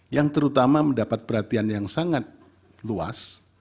yang terutama mendapat perhatian yang sangat luas